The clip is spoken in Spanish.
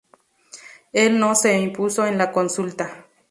El "No" se impuso en la consulta.